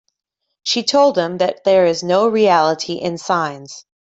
She told them that there is no reality in signs.